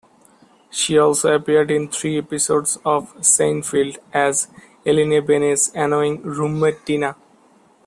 She also appeared in three episodes of "Seinfeld" as Elaine Benes' annoying roommate Tina.